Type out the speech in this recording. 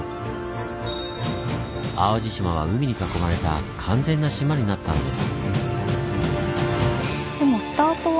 淡路島は海に囲まれた完全な島になったんです。